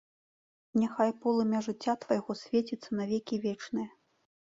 Няхай полымя жыцця твайго свеціцца на векі вечныя!